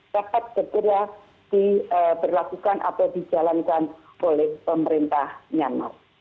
dapat segera diberlakukan atau dijalankan oleh pemerintah myanmar